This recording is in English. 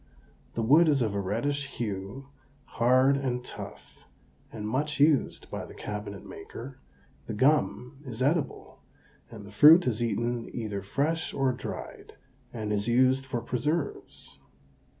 The wood is of a reddish hue, hard and tough, and much used by the cabinet maker; the gum is edible, and the fruit is eaten either fresh or dried, and is used for preserves.